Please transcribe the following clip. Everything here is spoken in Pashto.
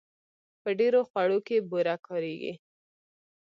په ډېرو خوړو کې بوره کارېږي.